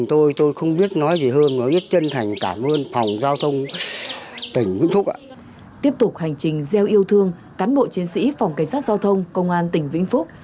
tiếp tục hành trình gieo yêu thương cán bộ chiến sĩ phòng cảnh sát giao thông công an tỉnh vĩnh phúc